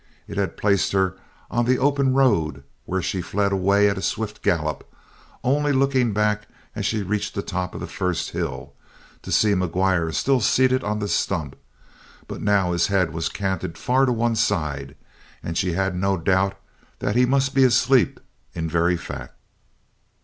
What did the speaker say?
It placed her on the open road where she fled away at a swift gallop, only looking back, as she reached the top of the first hill, to see McGuire still seated on the stump, but now his head was canted far to one side, and she had no doubt that he must be asleep in very fact.